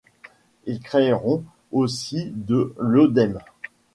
Ils créeront aussi de l’œdème.